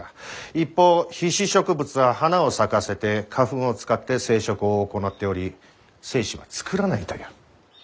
一方被子植物は花を咲かせて花粉を使って生殖を行っており精子は作らないという。